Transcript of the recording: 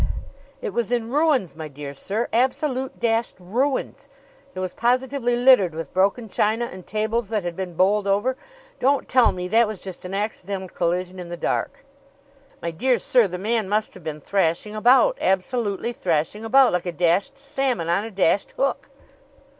It was in ruins, my dear sir absolute dashed ruins. It was positively littered with broken china and tables that had been bowled over. Don't tell me that was just an accidental collision in the dark. "My dear sir, the man must have been thrashing about absolutely thrashing about, like a dashed salmon on a dashed hook.